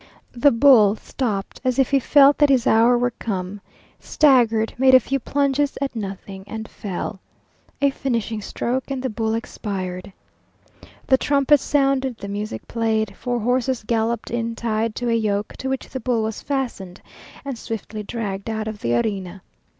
The bull stopped, as if he felt that his hour were come, staggered, made a few plunges at nothing, and fell. A finishing stroke, and the bull expired. The trumpets sounded, the music played. Four horses galloped in tied to a yoke, to which the bull was fastened, and swiftly dragged out of the arena.